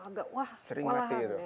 agak wah sering mati